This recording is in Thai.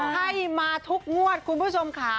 ให้มาทุกงวดคุณผู้ชมค่ะ